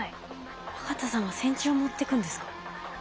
若田さんが線虫を持ってくんですか？